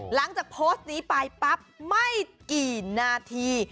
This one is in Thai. หลังจากโพสต์นี้ไปปั๊บไม่กี่นาที